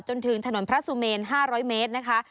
จนถึงถนนพระสุเมน๕๐๐เมตรนะคะ